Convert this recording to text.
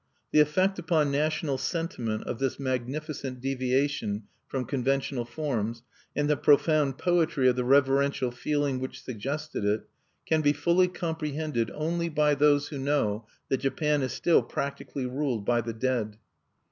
The effect upon national sentiment of this magnificent deviation from conventional forms, and the profound poetry of the reverential feeling which suggested it, can be fully comprehended only by those who know that Japan is still practically ruled by the dead.